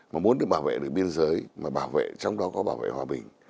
muốn được bảo vệ được biên giới mà trong đó có bảo vệ hòa bình